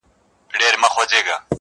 یوه شېبه مي وه ساتلې سوځېدو ته درتلم.